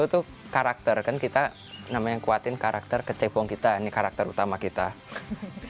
nah satu tuh karakter kan kita namanya nguwatin karakter kecebong kita ini karakter utama kita ya